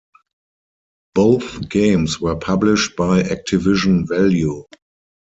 Both games were published by Activision Value.